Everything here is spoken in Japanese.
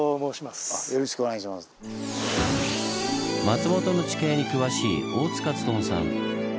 松本の地形に詳しい大塚勉さん。